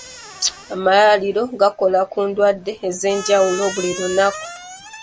Amalwaliro gakola ku ndwadde ez'enjawulo buli lunaku.